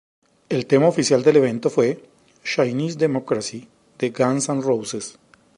El Tema oficial del evento fue ""Chinese Democracy"" de Guns N' Roses.